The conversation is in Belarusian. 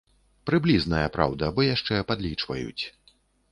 Прыблізная, праўда, бо яшчэ падлічваюць.